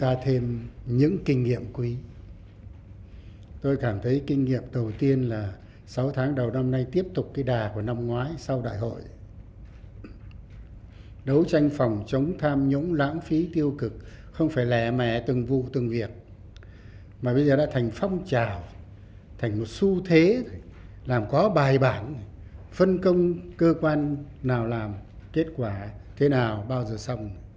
và thêm những kinh nghiệm quý tôi cảm thấy kinh nghiệm đầu tiên là sáu tháng đầu năm nay tiếp tục cái đà của năm ngoái sau đại hội đấu tranh phòng chống tham nhũng lãng phí tiêu cực không phải lẻ mẻ từng vụ từng việc mà bây giờ đã thành phong trào thành một xu thế làm có bài bản phân công cơ quan nào làm kết quả thế nào bao giờ xong